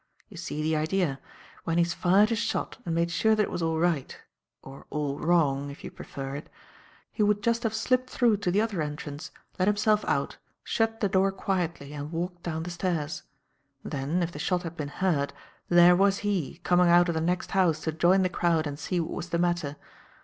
You see the idea. When he's fired his shot and made sure that it was all right or all wrong, if you prefer it he would just have slipped through to the other entrance, let himself out, shut the door quietly and walked down the stairs. Then, if the shot had been heard, there was he, coming out of the next house to join the crowd and see what was the matter.